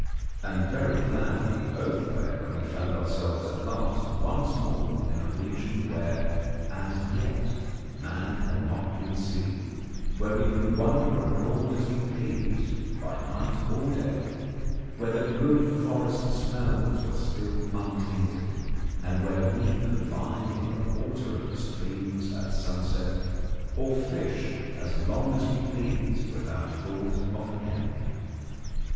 And very glad we both were when we found ourselves at last once more in a region where as yet man had not been seen, where we could wander abroad as we pleased by night or day, where the good forest smells were still untainted, and where we could lie in the water of the streams at sunset or fish as long as we pleased without thought of an enemy.